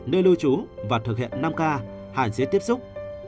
nơi lưu trú và thực hiện năm k hạn chế tiếp xúc